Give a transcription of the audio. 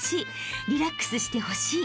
［リラックスしてほしい］